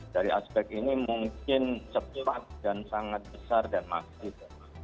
dari aspek ini mungkin cepat dan sangat besar dan masif